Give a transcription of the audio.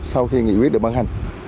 sau khi nghị quyết được bàn hành